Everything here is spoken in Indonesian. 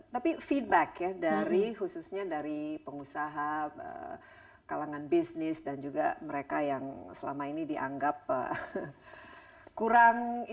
tapi feedback ya dari khususnya dari pengusaha kalangan bisnis dan juga mereka yang selama ini dianggap kurang